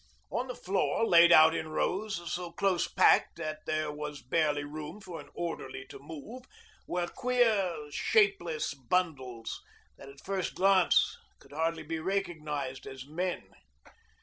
On the floor, laid out in rows so close packed that there was barely room for an orderly to move, were queer shapeless bundles that at first glance could hardly be recognised as men.